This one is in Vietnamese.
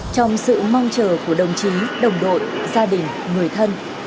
trong sự mong chờ của đồng chí đồng đội gia đình người thân